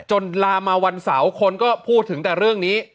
ลามาวันเสาร์คนก็พูดถึงแต่เรื่องนี้